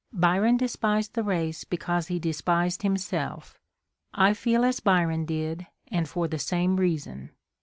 Byron despised the race because he despised himself. I feel as Byron did, and for the same reason."